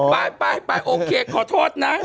ไปไปโอเคขอโทษนะ